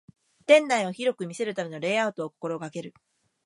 店内を広く見せるためのレイアウトを心がける